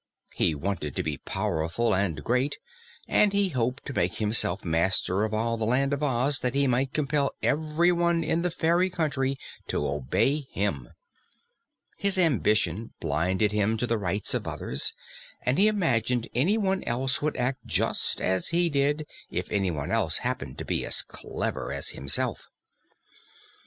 He wanted to be powerful and great, and he hoped to make himself master of all the Land of Oz that he might compel everyone in that fairy country to obey him, His ambition blinded him to the rights of others, and he imagined anyone else would act just as he did if anyone else happened to be as clever as himself.